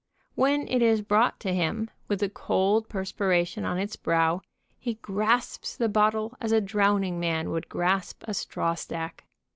When it is brought to him, with the cold perspiration on its brow, he grasps the bottle as a drowning man would grasp a strawstack.